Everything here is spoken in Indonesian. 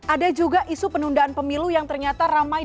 ada juga isu penundaan pemilu yang ternyata ramai